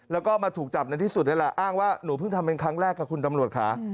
แล้วก็มาถูกจับในที่สุดนี่แหละอ้างว่าหนูเพิ่งทำเป็นครั้งแรกค่ะคุณตำรวจค่ะ